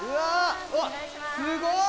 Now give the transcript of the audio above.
すごい。